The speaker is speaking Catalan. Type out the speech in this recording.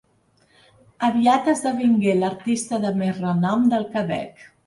Aviat esdevingué l'artista de més renom del Quebec.